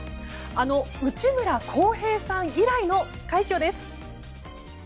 あの内村航平さん以来の快挙です。